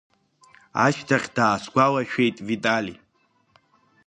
Ашьҭахь даасгәалашәеит Витали.